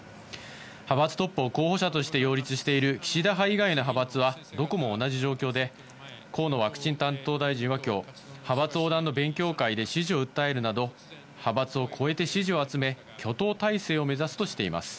派閥トップを候補者として擁立している岸田派以外の派閥はどこも同じ状況で、河野ワクチン担当大臣はきょう、派閥横断の勉強会で支持を訴えるなど、派閥を超えて支持を集め、挙党態勢を目指すとしています。